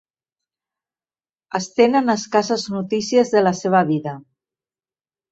Es tenen escasses notícies de la seva vida.